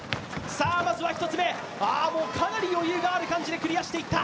まずは１つ目、かなり余裕がある感じでクリアしていった。